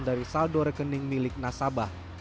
dari saldo rekening milik nasabah